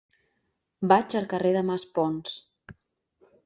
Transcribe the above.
Vaig al carrer de Maspons.